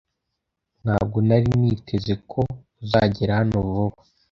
ntabwo nari niteze ko uzagera hano vuba